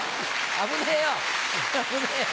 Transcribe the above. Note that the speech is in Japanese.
危ねぇよ。